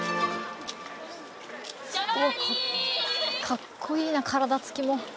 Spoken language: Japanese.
「かっこいいな体つきも」